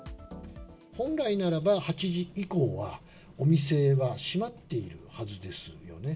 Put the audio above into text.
本来ならば８時以降はお店は閉まっているはずですよね。